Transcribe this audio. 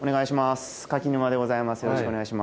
柿沼でございます。